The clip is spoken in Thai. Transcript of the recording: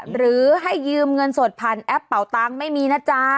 หรือให้ยืมเงินสดผ่านแอปเป่าตังค์ไม่มีนะจ๊ะ